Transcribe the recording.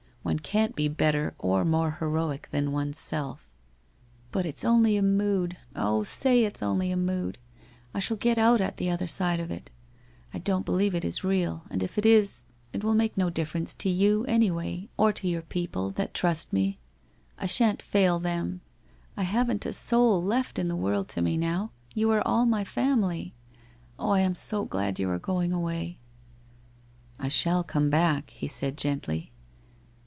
One can't be better or more heroic than one's self.' ' But it's only a mood, oh, say it's only a mood ! I shall get out at the other side of it. I don't believe it is real, and if it is, it will make no difference to you, any way, or to your people, that trust me. I shan't fail them. I haven't a soul left in the world to me now. You are all my family. Oh, I am so glad you are going away/ ' T shall rome back,' he said gently.